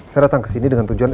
saya datang ke sini dengan tujuan